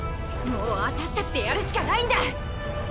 もうアタシ達でやるしかないんだ！